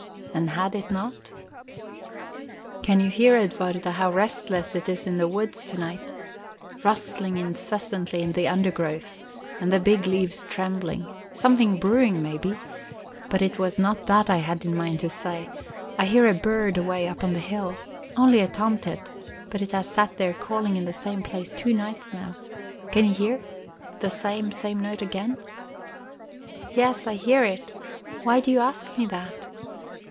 And had it not? "Can you hear, Edwarda, how restless it is in the woods to night? Rustling incessantly in the undergrowth, and the big leaves trembling. Something brewing, maybe but it was not that I had in mind to say. I hear a bird away up on the hill only a tomtit, but it has sat there calling in the same place two nights now. Can you hear the same, same note again?" "Yes, I hear it. Why do you ask me that?"